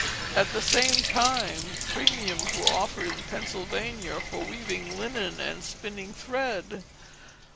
At the same time premiums were offered in Pennsylvania for weaving linen and spinning thread.